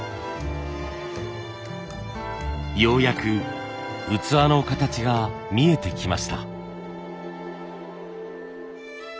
ようやく器の形が見えてきました。